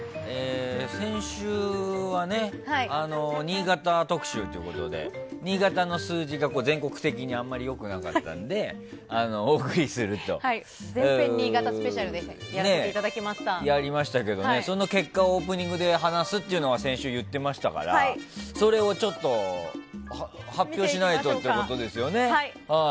先週は新潟特集ということで新潟の数字が全国的にあまり良くなかったので全編新潟スペシャルでその結果、オープニングで話すというのは先週、言ってましたからそれをちょっと発表しないとということですよね。